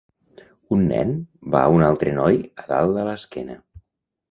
Un nen va a un altre noi a dalt a l'esquena.